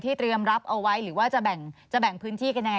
เตรียมรับเอาไว้หรือว่าจะแบ่งพื้นที่กันแน